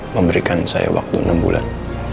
memberikan saya waktu enam bulan